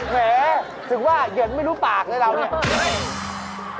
เหมือนว่าเหยียดไม่รู้ปากเลยเรานี่